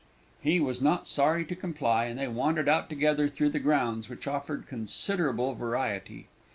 He was not sorry to comply, and they wandered out together through the grounds, which offered considerable variety.